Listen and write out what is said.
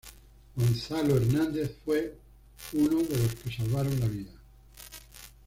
Gonzalo Hernández fue uno de los que salvaron la vida.